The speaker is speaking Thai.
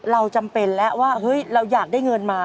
เราจำเป็นแล้วว่าเราอยากได้เงินมา